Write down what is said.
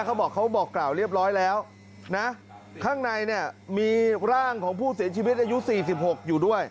เขาบอกเขาบอกกล่าวเรียบร้อยแล้วนะข้างในเนี่ยมีร่างของผู้เสียชีวิตอายุ๔๖อยู่ด้วย